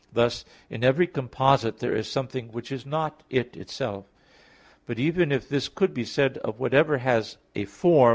Thus in every composite there is something which is not it itself. But, even if this could be said of whatever has a form, viz.